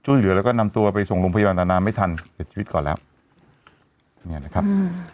จุดเหลือแล้วก็นำตัวไปส่งลงพยาบาลนาไม่ทันเก็บชีวิตก่อนแล้วเนี้ยนะครับ